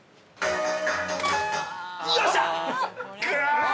◆よっしゃ！